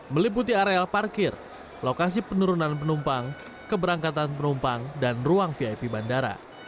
meliputi areal parkir lokasi penurunan penumpang keberangkatan penumpang dan ruang vip bandara